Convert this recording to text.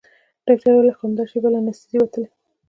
ډاکتر وويل دى خو همدا شېبه له انستيزي وتلى.